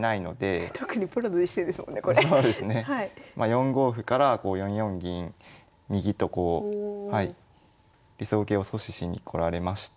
４五歩から４四銀右とこう理想形を阻止しに来られまして。